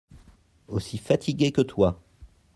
Aussi fatigué que toi.